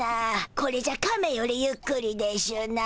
これじゃカメよりゆっくりでしゅな。